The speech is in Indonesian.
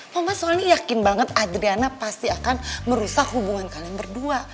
mama soalnya yakin banget adriana pasti akan merusak hubungan kalian berdua